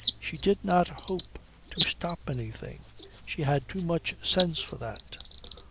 She did not hope to stop anything. She had too much sense for that.